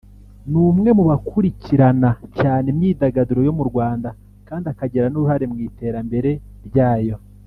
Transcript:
ni umwe mu bakurikirana cyane imyidagaduro yo mu Rwanda kandi akagira n’uruhare mu iterambere ryayo